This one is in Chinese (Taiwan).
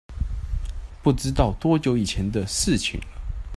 不知道多久以前的事情了